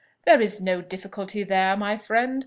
"There is no difficulty there, my friend.